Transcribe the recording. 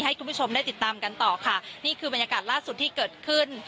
ให้คุณผู้ชมได้ติดตามกันต่อค่ะนี่คือบรรยากาศล่าสุดที่เกิดขึ้น